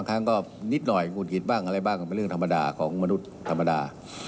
เป็นเรื่องธรรมดาของมนุษย์ธรรมดา